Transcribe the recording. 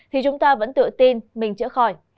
thì chúng ta vẫn tự tin mình chữa khỏi